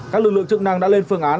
các lực lượng chức năng đã lên phương án